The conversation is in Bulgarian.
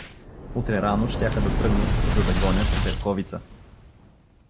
Утре рано щяха да тръгнат, за да гонят Берковица.